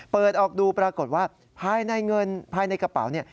เปิดออกดูปรากฏว่าภายในกระเป๋านี่